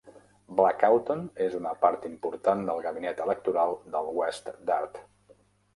"Blackawton" és una part important del gabinet electoral del West Dart.